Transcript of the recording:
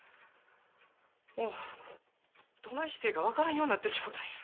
もうどないしてええか分からんようになってしもたんや。